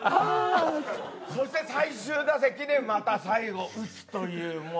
そして最終打席でまた最後打つというもう。